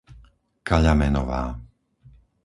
Kaľamenová